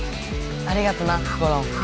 ありがとなゴロン！